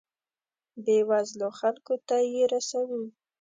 بیوزلو خلکو ته یې رسوو.